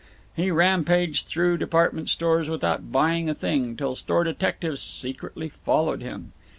He rampaged through department stores without buying a thing, till store detectives secretly followed him.